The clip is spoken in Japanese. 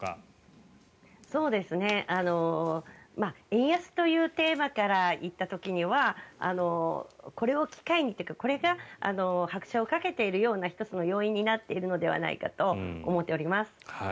円安というテーマから言った時にはこれを機会にというかこれが拍車をかけているような１つの要因になっているのではないかと思っております。